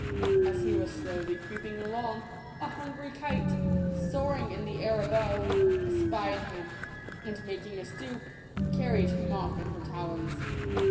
As he was slowly creeping along, a hungry kite, soaring in the air above, espied him, and making a stoop, carried him off in her talons.